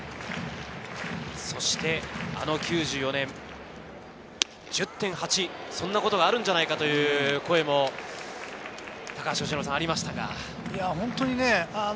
あの９４年、１０・８、そんなことがあるんじゃないかという声も由伸さん、ありました。